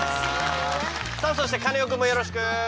さあそしてカネオくんもよろしく。